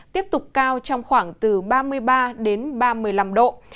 tiếp tục cao trong khoảng từ ba mươi ba đến ba mươi năm độ